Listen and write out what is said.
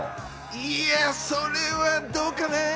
いや、それはどうかな？